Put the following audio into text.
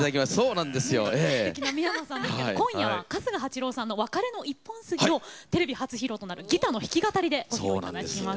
そんなすてきな三山さんですけど今夜は春日八郎さんの「別れの一本杉」をテレビ初披露となるギターの弾き語りでご披露頂きます。